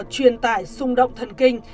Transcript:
truyền tải xung động thần kinh